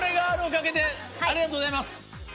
ありがとうございます。